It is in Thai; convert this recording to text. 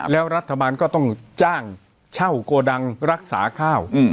แล้วรัฐบาลก็ต้องจ้างเช่าโกดังรักษาข้าว